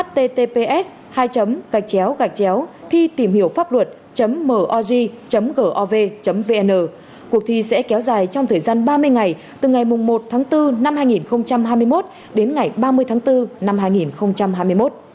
https hai gachcheo gachcheo thi tìm hiểu pháp luật moj gov vn cuộc thi sẽ kéo dài trong thời gian ba mươi ngày từ ngày một tháng bốn năm hai nghìn hai mươi một đến ngày ba mươi tháng bốn năm hai nghìn hai mươi một